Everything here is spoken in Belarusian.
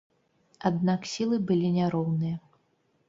Аднак сілы былі няроўныя.